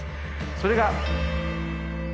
それが。